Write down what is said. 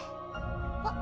あっ。